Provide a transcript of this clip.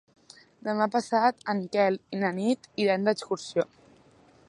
Demà passat en Quel i na Nit iran d'excursió.